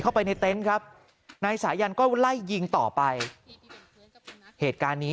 เข้าไปในเต็นต์ครับนายสายันก็ไล่ยิงต่อไปเหตุการณ์นี้